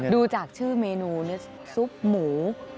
ดูจากชื่อเมนูซุปหมู